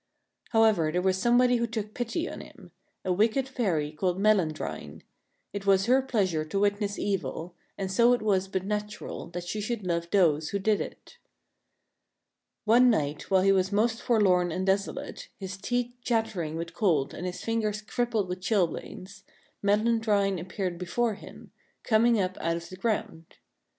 However, there was somebody who took pity on him — a wicked fairy called Melandrine. It was her pleasure to witness evil, and so it was but natural that she should love those who did it. One night, while he was most forlorn and desolate, his teeth chattering with cold and his fingers crippled with chilblains, Melandrine appeared before him, coming up out of the ground.